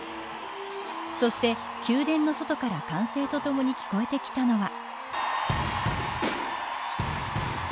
そして宮殿の外から歓声とともに聞こえてきたのは。